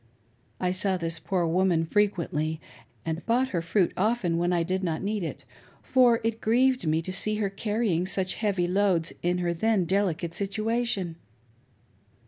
I saw this poor woman frequently, and bought her fruit often when I did not need it, for it grieved me to see her carrying such heavy loads in her then delicate situation.